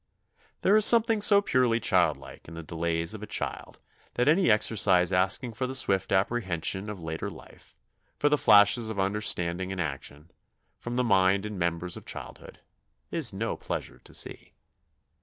There is something so purely childlike in the delays of a child that any exercise asking for the swift apprehension of later life, for the flashes of understanding and action, from the mind and members of childhood, is no pleasure to see.